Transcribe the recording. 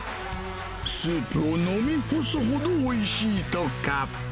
スープを飲み干すほどおいしいとか。